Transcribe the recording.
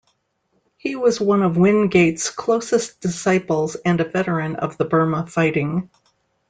He was one of Wingate's closest disciples and a veteran of the Burma fighting.